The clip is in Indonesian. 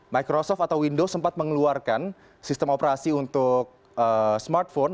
microsoft atau window sempat mengeluarkan sistem operasi untuk smartphone